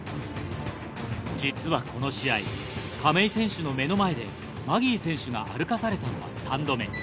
実はこの試合亀井選手の目の前でマギー選手が歩かされたのは３度目。